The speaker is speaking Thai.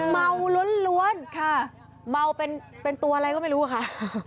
เมาล้วนค่ะเมาเป็นตัวอะไรก็ไม่รู้ค่ะ